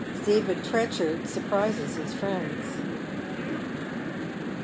STEPHEN TEENCHAED SUKPEISES HIS FRIENDS.